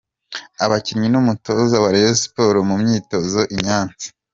Abakinnyi n’umutoza wa Rayon sport mu myitozo i Nyanza.